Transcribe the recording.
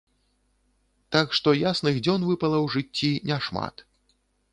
Так што ясных дзён выпала ў жыцці няшмат.